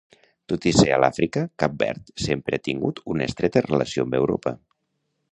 Tot i ser a l'Àfrica, Cap Verd sempre ha tingut una estreta relació amb Europa.